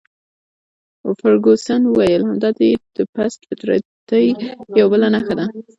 فرګوسن وویل: همدا دي د پست فطرتۍ یوه بله نښه ده.